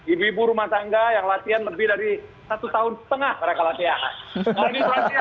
ibu ibu rumah tangga yang latihan lebih dari satu tahun setengah mereka latihan